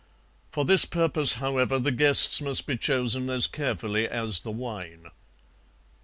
For this purpose, however, the guests must be chosen as carefully as the wine.